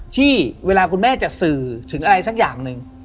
ที่เวลาคุณแม่จะสื่อถึงอะไรสักอย่างหนึ่ง